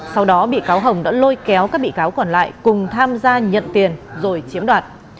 sau đó bị cáo hồng đã lôi kéo các bị cáo còn lại cùng tham gia nhận tiền rồi chiếm đoạt